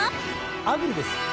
アグリです。